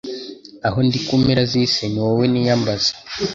Aho ndi ku mpera z’isi ni wowe niyambaza